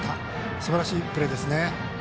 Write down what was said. すばらしいプレーですね。